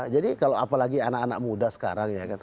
jadi kalau apalagi anak anak muda sekarang